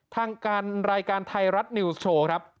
ทางการรายการไทยรัฐนิวส์โชว์ครับ